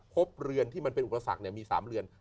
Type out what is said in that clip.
เรือนที่มันเป็นอุปสรรคมี๓เรือน